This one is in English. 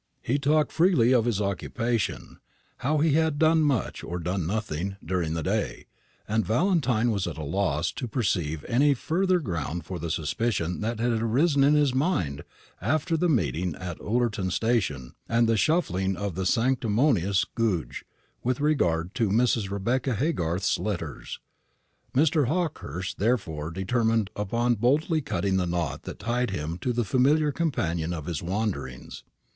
He talked freely of his occupation how he had done much or done nothing, during the day; and Valentine was at a loss to perceive any further ground for the suspicion that had arisen in his mind after the meeting at the Ullerton station, and the shuffling of the sanctimonious Goodge with regard to Mrs. Rebecca Haygarth's letters. Mr. Hawkehurst therefore determined upon boldly cutting the knot that tied him to the familiar companion of his wanderings.